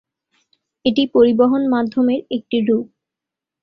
এটি পরিবহন মাধ্যমের একটি রূপ।